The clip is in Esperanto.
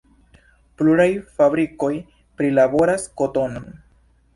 Pluraj fabrikoj prilaboras kotonon.